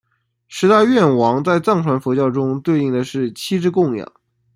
十大愿王在藏传佛教中对应的是七支供养。